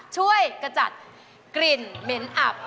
ช่วยกระจัดกลิ่นเม้นอับ